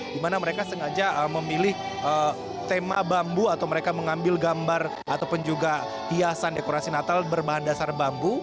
di mana mereka sengaja memilih tema bambu atau mereka mengambil gambar ataupun juga hiasan dekorasi natal berbahan dasar bambu